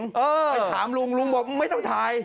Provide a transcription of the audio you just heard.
ไปถามลุงลุงบอกไม่ต้องถ่าย